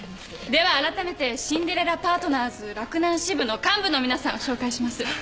ではあらためてシンデレラパートナーズ洛南支部の幹部の皆さんを紹介します。